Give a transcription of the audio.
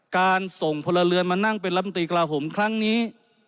การส่งพลเรือนมานั่งเป็นลำตีกระหมครั้งนี้